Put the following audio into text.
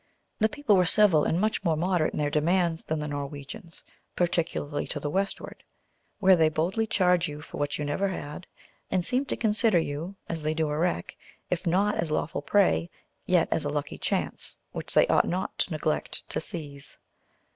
The people were civil, and much more moderate in their demands than the Norwegians, particularly to the westward, where they boldly charge for what you never had, and seem to consider you, as they do a wreck, if not as lawful prey, yet as a lucky chance, which they ought not to neglect to seize.